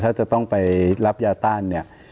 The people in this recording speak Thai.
ถ้าจะต้องไปรับยาต้านเนี่ย